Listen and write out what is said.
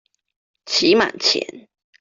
期滿前